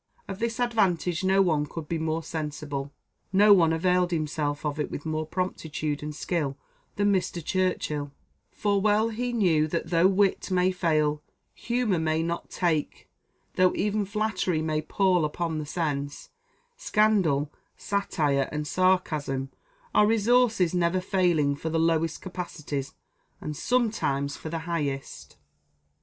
Of this advantage no one could be more sensible, no one availed himself of it with more promptitude and skill, than Mr. Churchill: for well he knew that though wit may fail, humour may not take though even flattery may pall upon the sense, scandal, satire, and sarcasm, are resources never failing for the lowest capacities, and sometimes for the highest.